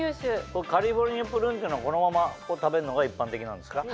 これカリフォルニアプルーンっていうのはこのまま食べるのが一般的なんですか？